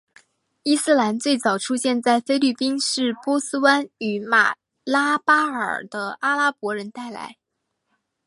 伊斯兰最早出现在菲律宾是波斯湾与马拉巴尔的阿拉伯人带来。